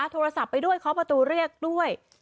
โทรศัพท์ไปด้วยเคาะประตูเรียกด้วย